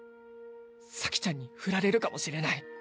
「咲ちゃんに振られるかもしれない。